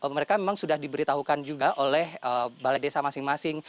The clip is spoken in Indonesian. mereka memang sudah diberitahukan juga oleh balai desa masing masing